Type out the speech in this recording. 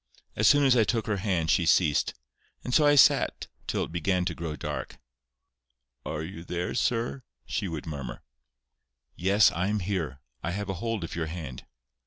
As soon as I took her hand she ceased, and so I sat till it began to grow dark. "Are you there, sir?" she would murmur. "Yes, I am here. I have a hold of your hand."